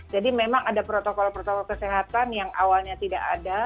jadi memang ada protokol protokol kesehatan yang awalnya tidak ada